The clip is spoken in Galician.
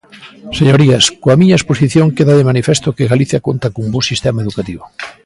Señorías, coa miña exposición queda de manifesto que Galicia conta cun bo sistema educativo.